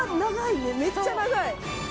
めっちゃ長い！